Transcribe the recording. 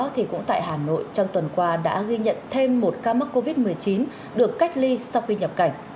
thì cũng tại hà nội trong tuần qua đã ghi nhận thêm một ca mắc covid một mươi chín được cách ly sau khi nhập cảnh